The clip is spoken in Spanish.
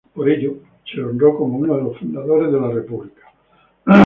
Por ello se le honró como uno de los Fundadores de la República.